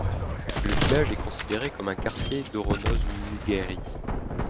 Le village est considéré comme un quartier d'Oronoz-Mugairi.